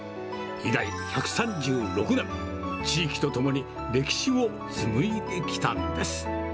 以来、１３６年、地域とともに歴史を紡いできたんです。